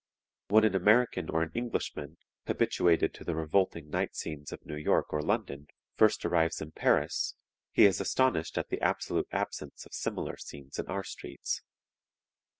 "When an American or an Englishman, habituated to the revolting night scenes of New York or London, first arrives in Paris, he is astonished at the absolute absence of similar scenes in our streets.